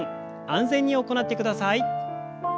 安全に行ってください。